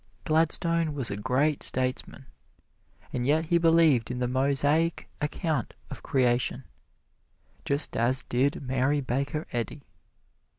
Gladstone was a great statesman, and yet he believed in the Mosaic account of Creation, just as did Mary Baker Eddy.